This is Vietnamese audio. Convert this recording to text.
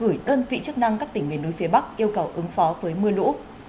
gửi đơn vị chức năng các tỉnh miền núi phía bắc yêu cầu ứng phó với mưa lũ